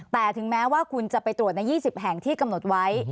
แต่ถึงแม้ว่าคุณจะไปตรวจใน๒๐แห่งที่กำหนดไว้